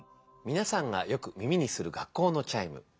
みなさんがよく耳にする学校のチャイム。